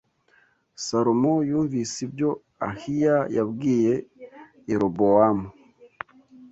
Salomo yumvise ibyo Ahiya yabwiye Yerobowamu